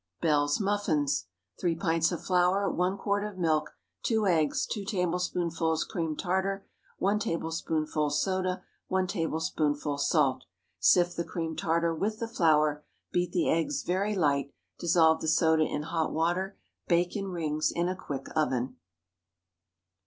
BELLE'S MUFFINS. 3 pints of flour. 1 quart of milk. 2 eggs. 2 tablespoonfuls cream tartar. 1 tablespoonful soda. 1 tablespoonful salt. Sift the cream tartar with the flour. Beat the eggs very light. Dissolve the soda in hot water. Bake in rings in a quick oven.